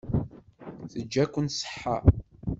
Teǧǧa-ken ṣṣeḥḥa.